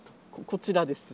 こちらです。